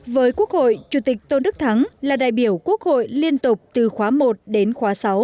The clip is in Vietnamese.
với quốc hội chủ tịch tôn đức thắng là đại biểu quốc hội liên tục từ khóa một đến khóa sáu